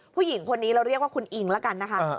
ผู้หญิงคนนี้เราเรียกว่าคุณอิงแล้วกันนะคะ